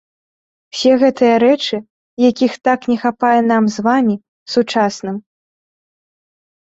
Усе гэтыя рэчы, якіх так не хапае нам з вамі, сучасным?